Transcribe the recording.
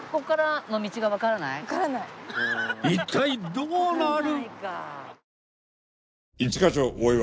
一体どうなる！？